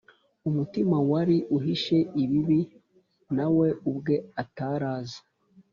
umutima wari uhishe ibibi nawe ubwe atari azi